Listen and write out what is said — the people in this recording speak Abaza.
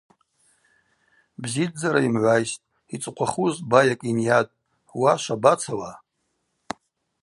Бзидздзара йымгӏвайстӏ, йцӏыхъвахуз байакӏ йынйатӏ: – Уа, швабацауа?